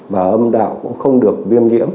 và âm đạo cũng không được viêm nhiễm